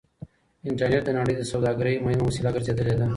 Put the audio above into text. انټرنټ د نړۍ د سوداګرۍ مهمه وسيله ګرځېدلې ده.